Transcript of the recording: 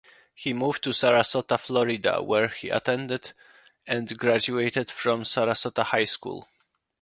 He moved to Sarasota, Florida where he attended and graduated from Sarasota High School.